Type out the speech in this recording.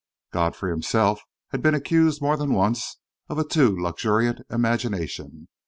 Godfrey himself had been accused more than once of a too luxuriant imagination.